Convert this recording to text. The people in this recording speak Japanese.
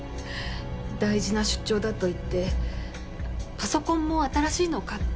大事な出張だと言ってパソコンも新しいのを買って。